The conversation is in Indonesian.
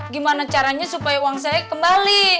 gimana caranya supaya uang saya kembali